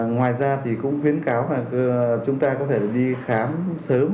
ngoài ra thì cũng khuyến cáo là chúng ta có thể đi khám sớm